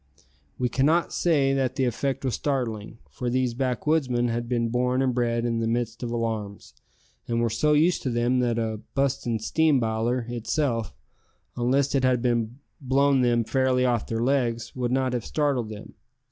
We cannot say that the effect was startling, for these backwoodsmen had been born and bred in the midst of alarms, and were so used to them that a "bustin' steam biler" itself, unless it had blown them fairly off their legs, would not have startled them.